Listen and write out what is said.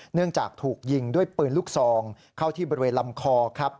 เนื่องจากถูกยิงด้วยปืนลูกซองเข้าที่บริเวณลำคอครับ